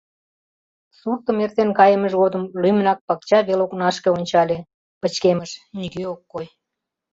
Суртым эртен кайымыж годым лӱмынак пакча вел окнашке ончале: пычкемыш, нигӧ ок кой.